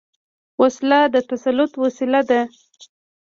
وسله د تسلط وسيله ده